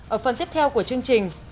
ở phần tiếp theo của chương trình